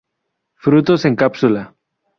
Frutos en cápsula.